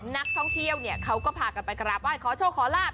นักท่องเที่ยวเนี่ยเขาก็พากันไปกราบไห้ขอโชคขอลาบ